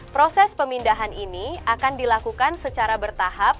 proses pemindahan ini akan dilakukan secara bertahap